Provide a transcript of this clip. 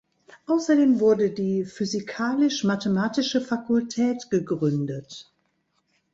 Außerdem wurde die physikalisch-mathematische Fakultät gegründet.